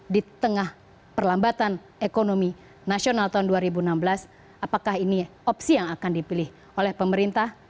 di tengah perlambatan ekonomi nasional tahun dua ribu enam belas apakah ini opsi yang akan dipilih oleh pemerintah